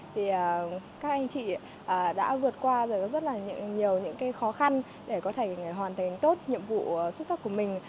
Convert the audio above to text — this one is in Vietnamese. thì các anh chị đã vượt qua rồi có rất là nhiều những khó khăn để có thể hoàn thành tốt nhiệm vụ xuất sắc của mình